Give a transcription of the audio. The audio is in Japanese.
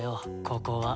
ここは。